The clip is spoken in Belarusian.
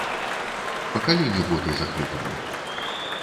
Па калені боты захлюпаны.